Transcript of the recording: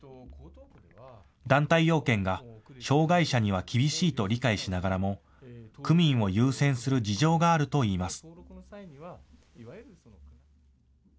団体要件が障害者には厳しいと理解しながらも区民を優先する事情があるといいます。